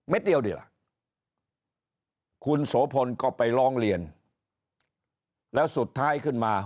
เม็ดเดียวดีล่ะคุณโสพลก็ไปลองเรียนแล้วสุดท้ายขึ้นมา